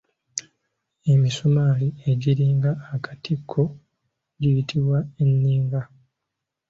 Emisumaali egiringa akatiko giyitibwa Enninga.